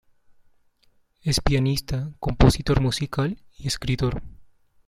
Es pianista, compositor musical y escritor.